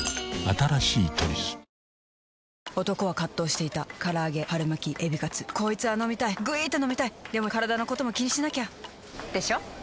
新しい「トリス」男は葛藤していた唐揚げ春巻きエビカツこいつぁ飲みたいぐいーーっと飲みたいでもカラダのことも気にしなきゃ！でしょ？